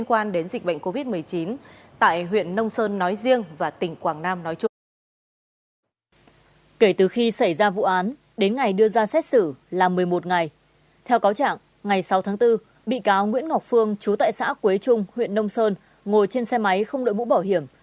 ngày sáu tháng bốn bị cáo nguyễn ngọc phương chú tại xã quế trung huyện đông sơn ngồi trên xe máy không đội bũ bảo hiểm